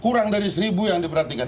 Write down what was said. kurang dari seribu yang diperhatikan